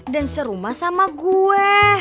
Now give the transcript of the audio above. dan serumah sama gue